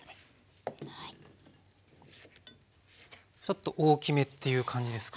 ちょっと大きめという感じですか？